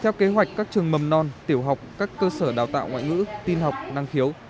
theo kế hoạch các trường mầm non tiểu học các cơ sở đào tạo ngoại ngữ tin học năng khiếu